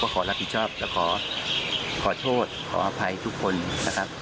ขอรับผิดชอบและขอโทษขออภัยทุกคนนะครับ